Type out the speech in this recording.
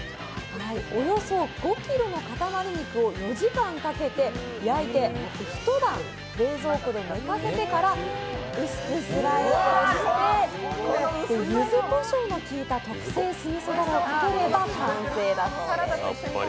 およそ５ｋｇの塊肉を４時間かけて焼いて、一晩冷蔵庫で寝かせてから薄くスライスしてゆずこしょうのきいた特製酢みそだれをかければ完成です。